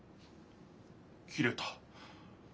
切れた。